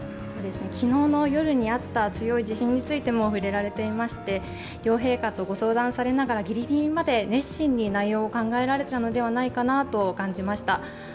昨日の夜にあった強い地震についても触れられていまして両陛下とご相談されながら、ぎりぎりまで熱心に内容を考えておられたのではないかなと感じました。